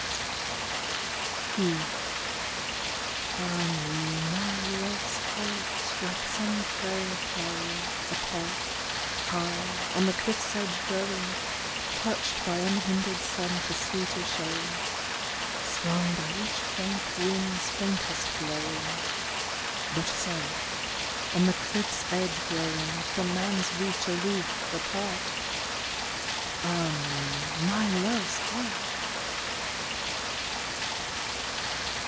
V : (He) Ah me, my love s heart, Like some frail flower, apart, High, on the cliff s edge growing, Touched by unhindered sun to sweeter showing, Swung by each faint wind s faintest blowing, But so, on the cliff s edge growing, From man s reach aloof, apart: Ah me, my love s heart!